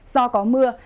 do có mưa